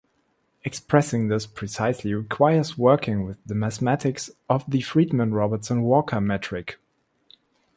Expressing this precisely requires working with the mathematics of the Friedmann-Robertson-Walker metric.